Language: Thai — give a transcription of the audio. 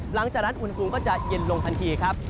หลังจากนั้นอุณหภูมิก็จะเย็นลงทันทีครับ